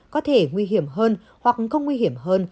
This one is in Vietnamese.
có thể nguy hiểm hơn hoặc không nguy hiểm hơn